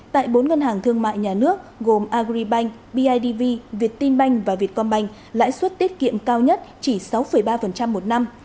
tại bốn ngân hàng thương mại nhà nước gồm agribank bidv việt tim banh và việt com banh lãi suất tiết kiệm cao nhất chỉ sáu ba một năm